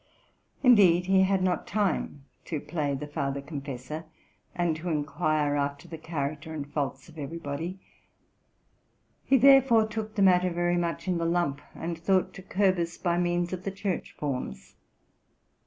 Indeed, he had _ not time to play the father confessor, and to inquire after the character and faults of everybody: he therefore took the matter very much in the lump, and thought to curb us by means of the church forms.